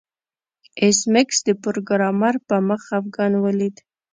ایس میکس د پروګرامر په مخ خفګان ولید